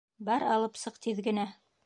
Бар алып сыҡ тиҙ генә.